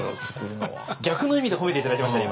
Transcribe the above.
逆の意味で褒めて頂きましたね